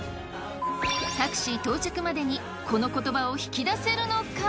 タクシー到着までにこのことばを引き出せるのか！？